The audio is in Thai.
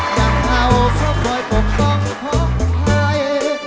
หลังเหล่าเฝ้าคอยปกป้องเพราะใคร